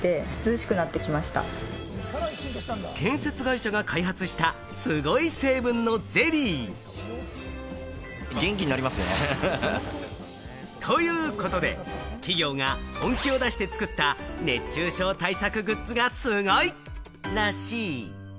建設会社が開発した、すごい成分のゼリー。ということで、企業が本気を出して作った熱中症対策グッズがすごいらしい。